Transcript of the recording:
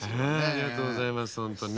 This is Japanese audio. ありがとうございます本当にね。